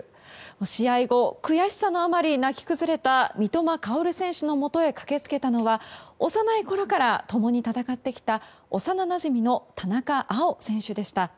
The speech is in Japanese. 試合後悔しさのあまり泣き崩れた三笘薫選手のもとへ駆け付けたのは幼いころから共に戦ってきた幼なじみの田中碧選手でした。